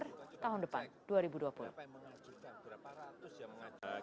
bagaimana yang mengajukan berapa ratus yang mengajukan